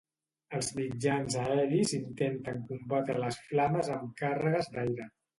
Els mitjans aeris intenten combatre les flames amb càrregues d'aire.